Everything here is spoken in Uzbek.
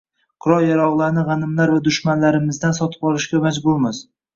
Qurol-yarog‘larni g‘animlar va dushmanlarimizdan sotib olishga majburmiz